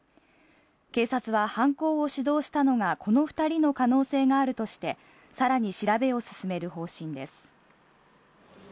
警察は犯行を主導したのがこの２人の可能性があるとして、さらに調べを進める方針です。